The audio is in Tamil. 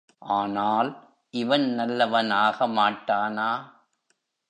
ஆனால், இவன் நல்லவனாக மாட்டானா?